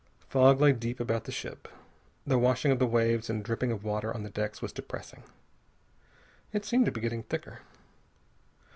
Fog lay deep about the ship. The washing of the waves and dripping of water on the decks was depressing. It seemed to be getting thicker.